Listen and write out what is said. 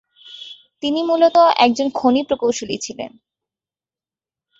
তিনি মূলত একজন খনি প্রকৌশলী ছিলেন।